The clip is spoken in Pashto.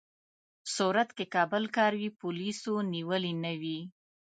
صورت کې که بل کار وي، پولیسو نیولي نه وي.